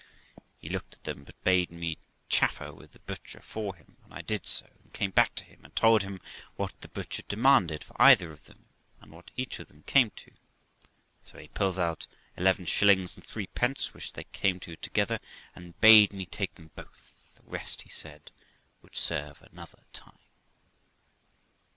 He looked at them, but made me chaffer with the butcher for him, and I did so, and came back to him and told him what the butcher had demanded for either of them, and what each of them came to. So he pulls out eleven shillings and threepence, which they came to together, and bade me take them both; the rest, he said, would serve another time.